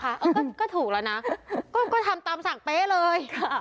เออก็ถูกแล้วนะก็ทำตามสั่งเป๊ะเลย